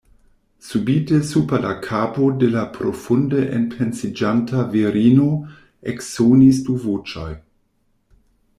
Subite super la kapo de la profunde enpensiĝanta virino eksonis du voĉoj.